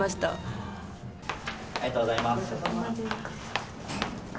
ありがとうございます。